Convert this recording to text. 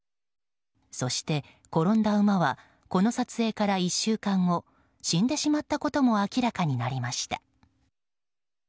そして転んだ馬はこの撮影から１週間後死んでしまったことも明らかになりました。